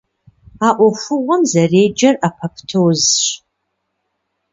А Ӏуэхугъуэм зэреджэр апоптозщ.